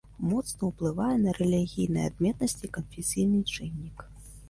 Моцна ўплывае на рэгіянальныя адметнасці канфесійны чыннік.